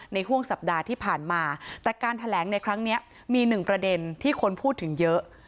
ห่วงสัปดาห์ที่ผ่านมาแต่การแถลงในครั้งนี้มีหนึ่งประเด็นที่คนพูดถึงเยอะ